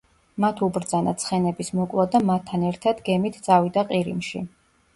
მათ უბრძანა ცხენების მოკვლა და მათთან ერთად გემით წავიდა ყირიმში.